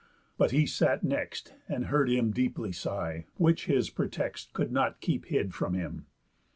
But he sat next, And heard him deeply sigh; which his pretext Could not keep hid from him.